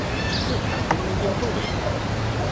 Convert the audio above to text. Nyt hän kumminkin tuli.